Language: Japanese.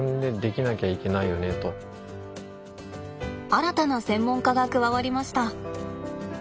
新たな専門家が加わりました。